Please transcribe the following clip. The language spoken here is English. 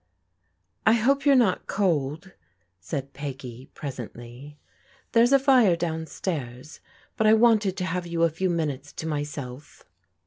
" I hope you're not cold/* said Peggy presently. " There's a fire down stairs, but I wanted to have you a few minutes to myself."